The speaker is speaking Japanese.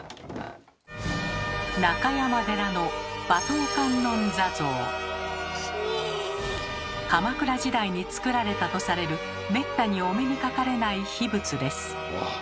中山寺の鎌倉時代に造られたとされるめったにお目にかかれない秘仏です。